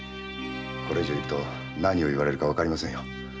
これ以上居ると何を言われるかわかりませんよ。